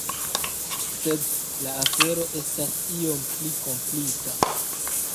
Sed la afero estas iom pli komplika.